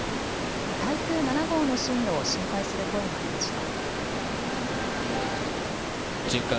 台風７号の進路を心配する声もありました。